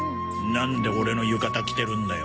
なんでオレの浴衣着てるんだよ？